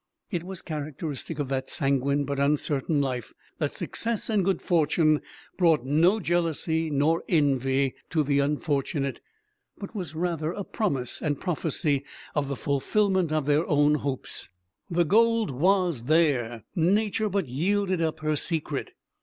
It was characteristic of that sanguine but uncertain life that success and good fortune brought no jealousy nor envy to the unfortunate, but was rather a promise and prophecy of the fulfillment of their own hopes. The gold was there Nature but yielded up her secret.